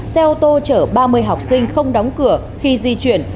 xe ô tô chở ba mươi học sinh không đóng cửa khi di chuyển